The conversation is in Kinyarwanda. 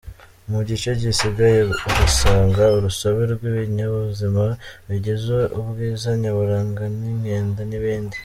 Mu gice gisigaye uhasanga urusobe rw’ibinyabuzima bigize ubwiza nyaburanga nk’inkende n’ibindi.